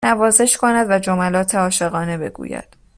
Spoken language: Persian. نوازش کند و جملات عاشقانه بگوید